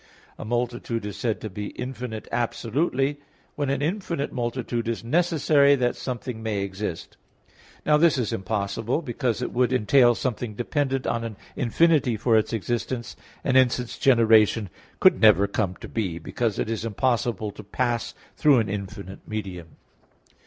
A multitude is said to be infinite absolutely, when an infinite multitude is necessary that something may exist. Now this is impossible; because it would entail something dependent on an infinity for its existence; and hence its generation could never come to be, because it is impossible to pass through an infinite medium.